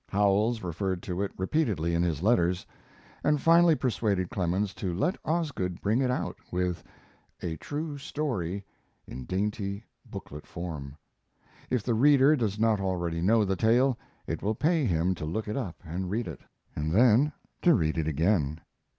Howells referred to it repeatedly in his letters, and finally persuaded Clemens to let Osgood bring it out, with "A True Story," in dainty, booklet form. If the reader does not already know the tale, it will pay him to look it up and read it, and then to read it again.